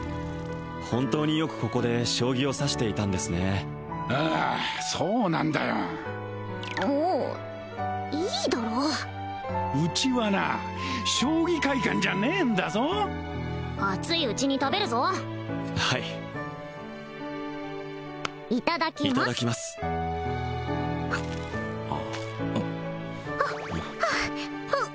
本当によくここで将棋を指していたんですねああそうなんだよもういいだろ・うちはな将棋会館じゃねえんだぞ熱いうちに食べるぞはいいただきますいただきますあふっあふっあふっ！